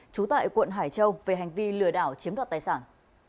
trú tại quận hải châu về hành vi lừa đảo chiếm đoạt tài sản